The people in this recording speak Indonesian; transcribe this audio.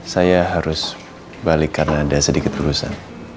saya harus balik karena ada sedikit lulusan